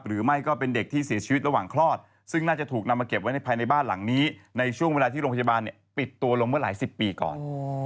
หรือไม่ก็เป็นเด็กที่เสียชีวิตระหว่างคลอดซึ่งน่าจะถูกนำมาเก็บไว้ในภายในบ้านหลังนี้ในช่วงเวลาที่โรงพยาบาลปิดตัวลงเมื่อหลายสิบปีก่อน